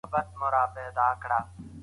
د هنر بڼه څنګه بدله سوه؟